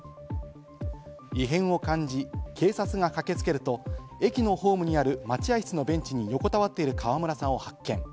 異変を感じ、警察が駆けつけると、駅のホームにある待合室のベンチに横たわっている川村さんを発見。